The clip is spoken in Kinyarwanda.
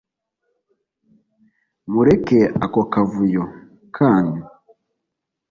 Mureke ako kavuyo kanyu